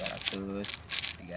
anak anak pada tebuknya ya